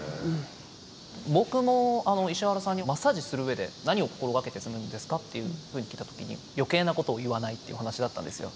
僕も石原さんにマッサージする上で何を心がけてするんですかっていうふうに聞いた時に余計なことを言わないってお話だったんですよ。